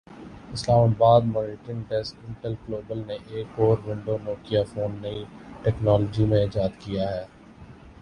اسلام آباد monitoring desk Intel global نے ایک اور ونڈو نوکیا فون نئی ٹیکنالوجی میں ایجاد کیا ہے